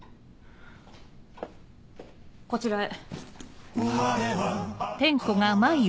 こちらへ。